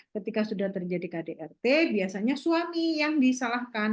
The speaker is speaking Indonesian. ketika sudah terjadi kdrt biasanya suami yang disalahkan